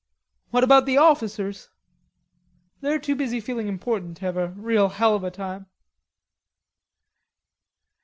"What about the officers?" "They're too busy feeling important to have a real hell of a time."